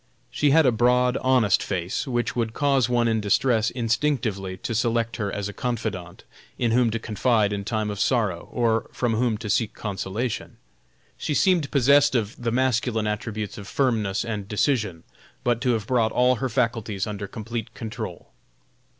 She had a broad, honest face, which would cause one in distress instinctively to select her as a confidante, in whom to confide in time of sorrow, or from whom to seek consolation. She seemed possessed of the masculine attributes of firmness and decision, but to have brought all her faculties under complete control.